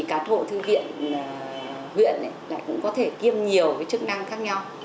và trong thư viện cấp huyện thì cán bộ thư viện huyện lại cũng có thể kiêm nhiều cái chức năng khác nhau